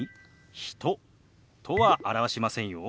「人」とは表しませんよ。